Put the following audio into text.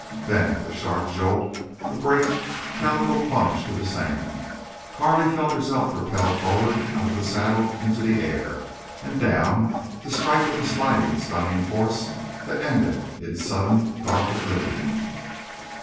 Then, with a sharp jolt, a break, Calico plunged to the sand. Carley felt herself propelled forward out of the saddle into the air, and down to strike with a sliding, stunning force that ended in sudden dark oblivion.